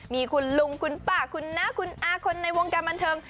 มีคุณลุงคุณป้าคุณน้าคุณอาคนในวงการบันเทิง